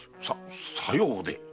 ささようで？